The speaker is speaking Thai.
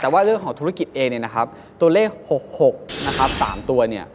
แต่ว่าเรื่องของธุรกิจเองเนี่ยนะครับตัวเลข๖๖นะครับ๓ตัวเนี่ย